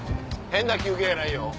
変な休憩やないよ。